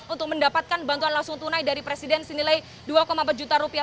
untuk mendapatkan bantuan langsung tunai dari presiden senilai dua empat juta rupiah